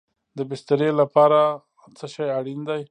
د بسترې لپاره څه شی اړین دی؟